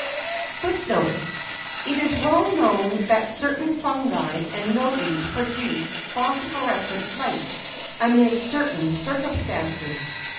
1 Grateful 1 It is well known that certain fungi and mildews produce phosphorescent light amid certain circumstances.